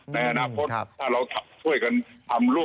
แน่นอนแต่ถ้าเราช่วยกันทำรุ่น